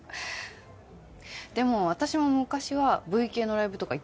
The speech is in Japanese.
でも私も昔はＶ系のライブとか行ってたよ。